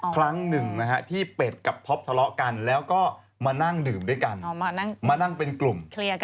ครั้งหนึ่งนะฮะที่เป็ดกับท็อปทะเลาะกันแล้วก็มานั่งดื่มด้วยกันมานั่งเป็นกลุ่ม